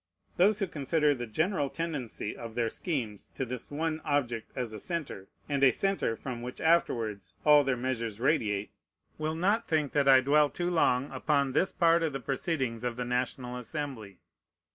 Those who consider the general tendency of their schemes to this one object as a centre, and a centre from which afterwards all their measures radiate, will not think that I dwell too long upon this part of the proceedings of the National Assembly.